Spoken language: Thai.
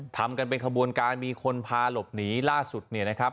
ทำกันเป็นขบวนการมีคนพาหลบหนีล่าสุดเนี่ยนะครับ